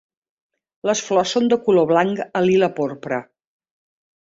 Les flors són de color blanc a lila porpra.